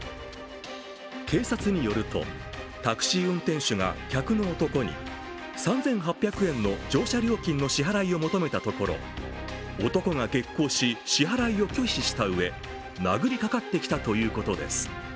警察によると、タクシー運転手が客の男に３８００円の乗車料金の支払いを求めたところ、男が激高し支払いを拒否したうえ殴りかかってきたということです。